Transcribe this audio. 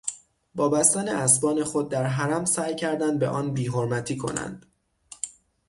با بستن اسبان خود در حرم سعی کردند به آن بیحرمتی کنند.